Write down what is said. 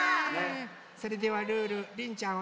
それではルールりんちゃん